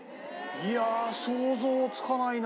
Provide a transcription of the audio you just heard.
いやあ想像つかないな。